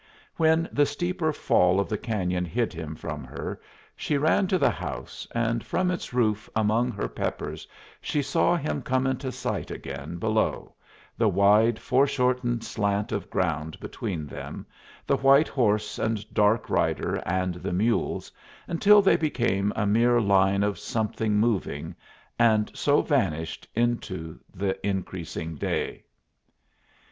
When the steeper fall of the cañon hid him from her she ran to the house, and from its roof among her peppers she saw him come into sight again below, the wide, foreshortened slant of ground between them, the white horse and dark rider and the mules, until they became a mere line of something moving, and so vanished into the increasing day.